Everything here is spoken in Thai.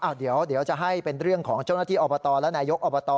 เดี๋ยวจะให้เป็นเรื่องของเจ้าหน้าที่อบตและนายกอบต